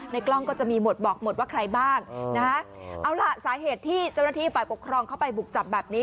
กล้องก็จะมีหมดบอกหมดว่าใครบ้างนะฮะเอาล่ะสาเหตุที่เจ้าหน้าที่ฝ่ายปกครองเข้าไปบุกจับแบบนี้